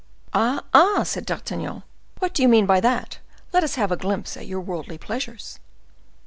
"Ah, ah!" said D'Artagnan, "what do you mean by that? Let us have a glimpse at your worldly pleasures."